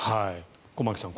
駒木さん